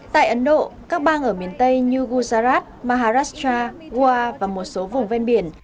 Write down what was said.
tại ấn độ các bang ở miền tây như gujarat maharashtra gua và một số vùng ven biển